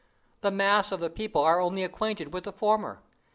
The mass of the people are only acquainted with the former.